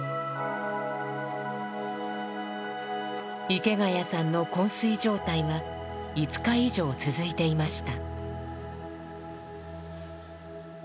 池谷さんの昏睡状態は５日以上続いていました。